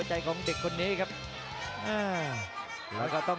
แชลเบียนชาวเล็ก